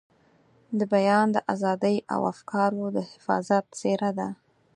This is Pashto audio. د بیان د ازادۍ او افکارو د حفاظت څېره ده.